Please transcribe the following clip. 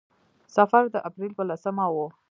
سفر د اپرېل په لسمه و.